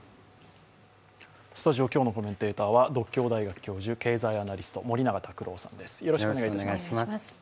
スタジオ、今日のコメンテーターは獨協大学経済学部教授、経済アナリスト森永卓郎さんです。